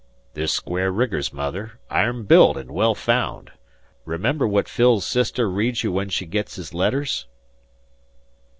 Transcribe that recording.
"They're square riggers, Mother; iron built an' well found. Remember what Phil's sister reads you when she gits his letters."